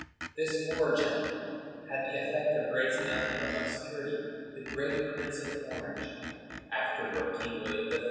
This war, gentlemen, had the effect of raising up from obscurity the great Prince of Orange, afterward King William III.